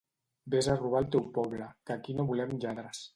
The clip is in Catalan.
Vés a robar al teu poble que aquí no volem lladres